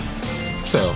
来たよ。